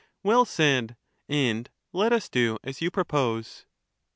Well said ; and let us do as you propose.